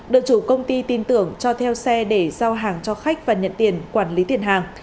được chủ công ty tin tưởng cho theo xe để giao hàng cho khách và nhận tiền quản lý tiền hàng